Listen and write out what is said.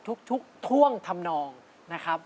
ทุกท่วงทำนองนะครับ